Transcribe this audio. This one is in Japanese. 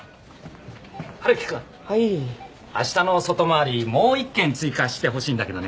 あしたの外回りもう１件追加してほしいんだけどね。